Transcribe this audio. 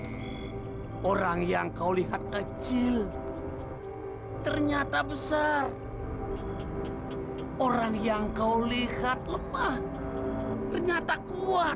hai orang yang kau lihat kecil ternyata besar orang yang kau lihat lemah ternyata kuat